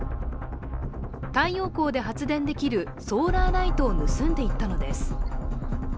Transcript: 太陽光で発電できるソーラーライトを盗んでいったのです。